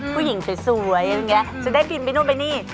ผู้หญิงสวยจะได้กินไปนู่นไปนี่